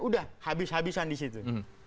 udah habis habisan disitu